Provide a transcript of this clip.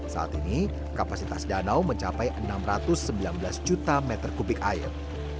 saat ini kapasitas danau mencapai enam ratus sembilan belas juta meter kubik air